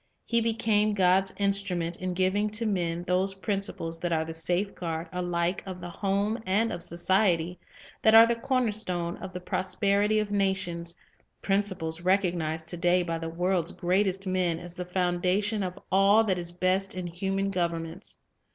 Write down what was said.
He became God's instrument in giving to men those principles that are the safeguard alike of the home and of society, that arc the corner stone of the prosperity of nations, — prin ciples recognized to day by the world's greatest men as the foundation of all that is best in human govern ments.